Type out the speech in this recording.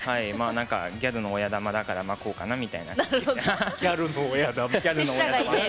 ギャルの親玉だからこうかなみたいな。